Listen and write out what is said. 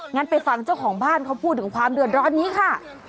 งั้นไปฟังเจ้าของบ้านเขาพูดถึงความเดือดร้อนนี้ค่ะ